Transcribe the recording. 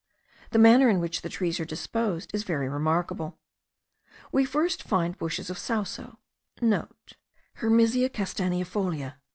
The manner in which the trees are disposed is very remarkable. We first find bushes of sauso,* (* Hermesia castaneifolia.